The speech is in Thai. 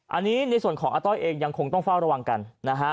อันนี้ในส่วนของอาต้อยเองยังคงต้องเฝ้าระวังกันนะฮะ